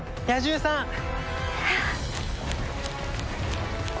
野獣さん。